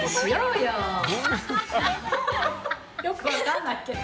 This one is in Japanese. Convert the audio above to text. よく分かんないけど。